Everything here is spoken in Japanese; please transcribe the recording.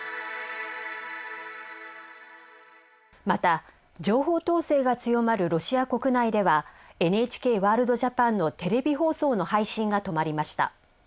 また情報統制が強まるロシア国内では「ＮＨＫワールドＪＡＰＡＮ」のテレビ放送の配信が止まりました。